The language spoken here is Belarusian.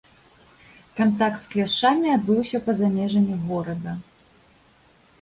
Кантакт з кляшчамі адбыўся па-за межамі горада.